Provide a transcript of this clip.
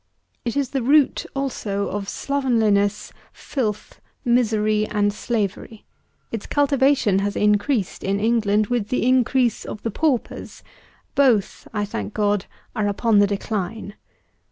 It is the root, also, of slovenliness, filth, misery, and slavery; its cultivation has increased in England with the increase of the paupers: both, I thank God, are upon the decline.